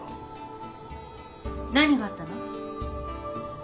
何があったの？